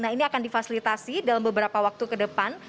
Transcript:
nah ini akan difasilitasi dalam beberapa waktu ke depan